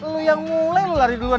lu yang mulai lo lari duluan